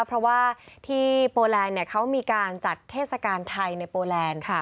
เพราะว่าที่โปแลนด์เขามีการจัดเทศกาลไทยในโปแลนด์